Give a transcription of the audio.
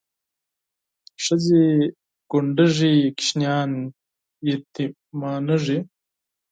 ښځې کونډېږي ماشومان یتیمانېږي